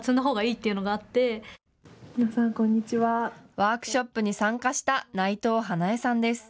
ワークショップに参加した内藤花恵さんです。